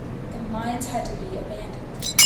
The mines had to be abandoned.